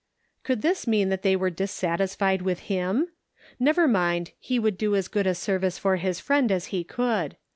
Could this mean that they were dissatisfied with him ? Never mind, he would do as good a service for his friend as he could.